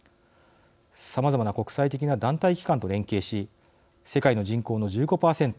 さまざまな国際的な団体機関と連携し世界の人口の１５％